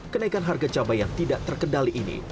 kenaikan harga cabai yang tidak terkendali ini